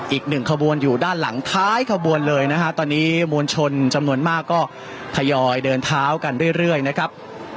อีกหนึ่งขบวนอยู่ด้านหลังท้ายขบวนเลยนะฮะตอนนี้มวลชนจำนวนมากก็ทยอยเดินเท้ากันเรื่อยนะครับ